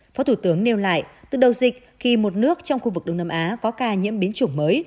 phó thủ tướng nêu lại từ đầu dịch khi một nước trong khu vực đông nam á có ca nhiễm biến chủng mới